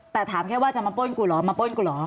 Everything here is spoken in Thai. แต่ถามแค่ว่าจะมาป้นกูเหรอมาป้นกูเหรอ